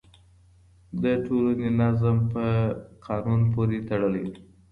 د ټولني نظم په قانون پورې تړلی دی.